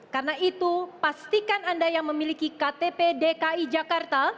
karena itu pastikan anda yang memiliki ktp dki jakarta